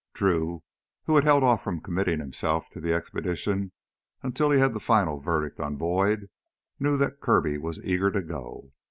Drew, who had held off from committing himself to the expedition until he had the final verdict on Boyd, knew that Kirby was eager to go.